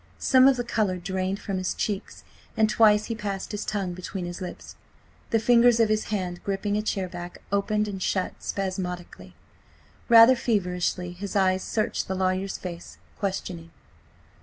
Some of the colour drained from his cheeks, and twice he passed his tongue between his lips. The fingers of his hand, gripping a chairback, opened and shut spasmodically. Rather feverishly his eyes searched the lawyer's face, questioning.